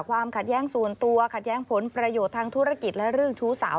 ความขัดแย้งส่วนตัวขัดแย้งผลประโยชน์ทางธุรกิจและเรื่องชู้สาว